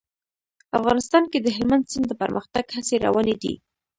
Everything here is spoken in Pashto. افغانستان کې د هلمند سیند د پرمختګ هڅې روانې دي.